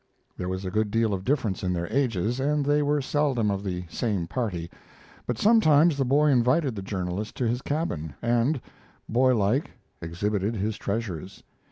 There was a good deal of difference in their ages, and they were seldom of the same party; but sometimes the boy invited the journalist to his cabin and, boy like, exhibited his treasures.